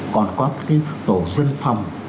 còn có cái tổ dân phòng